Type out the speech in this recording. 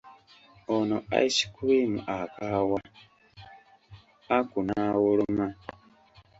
Ono ice cream akaawa, Aku n'awoloma.